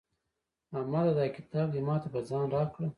احمده دا کتاب دې ما ته په ځان راکړه.